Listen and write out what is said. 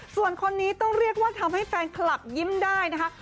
ส่วนคนนี้ต้องเรียกว่าทำให้แฟนคลับยิ้มได้นะคะ